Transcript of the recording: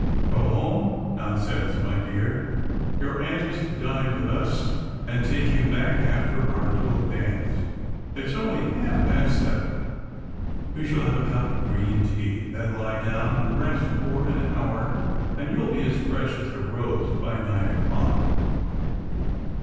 " Go home ! nonsense, my dear ! your aunt is to dine with us, and take you lack after our little dance. It's only half past seven. You shall have a cup of green tea, and then lie down and rest for an hour, and you'll be as fresh as a rose by nine o'clock.